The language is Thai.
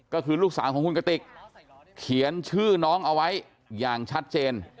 ก็คือลูกสาวของคุณกติกเขียนชื่อน้องเอาไว้อย่างชัดเจน